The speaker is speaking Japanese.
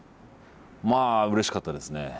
まあうれしかったですね。